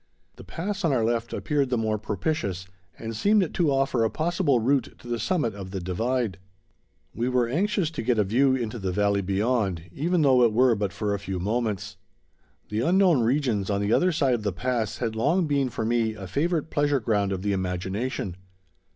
The pass on our left appeared the more propitious and seemed to offer a possible route to the summit of the divide. We were anxious to get a view into the valley beyond, even though it were but for a few moments. The unknown regions on the other side of the pass had long been for me a favorite pleasure ground of the imagination.